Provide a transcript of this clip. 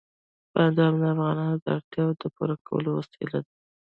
بادام د افغانانو د اړتیاوو د پوره کولو وسیله ده.